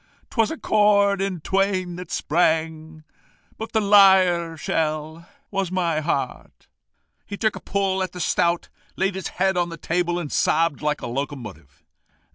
'Twas a chord in twain that sprang But the lyre shell was my heart.' He took a pull at the stout, laid his head on the table, and sobbed like a locomotive."